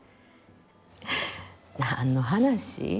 何の話？